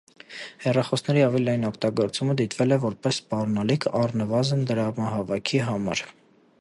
Հեռախոսների ավելի լայն օգտագործումը դիտվել է որպես սպառնալիք, առնվազն դրամահավաքի համար։